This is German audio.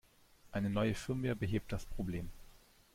Eine neue Firmware behebt das Problem.